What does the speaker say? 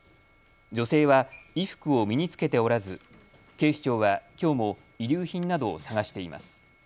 女性は衣服を身に着けておらず警視庁はきょうも遺留品などを捜しています。